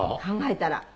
考えたら。